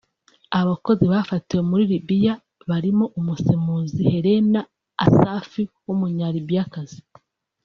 Abakozi bafatiwe muri Libiya barimo umusemuzi Hélène Assaf w’Umunyalibiyakazi